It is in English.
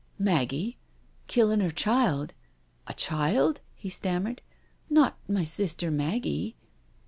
" Maggie? Killing her child? A child?" he stam mered. "Not my sister Maggie?"